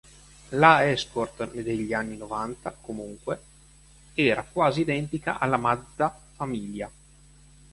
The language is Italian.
La Escort degli anni novanta, comunque, era quasi identica alla Mazda Familia.